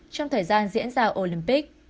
trong thời gian diễn ra olympic